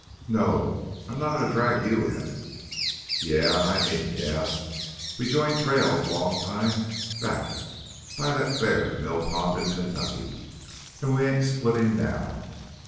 "No, I'm not goin' to drag you in." "Yeah—an' I mean yeah! We joined trails a long time back, by that there mill pond in Kentucky, and we ain't splittin' now.